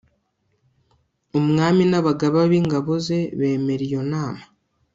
umwami n'abagaba b'ingabo ze bemera iyo nama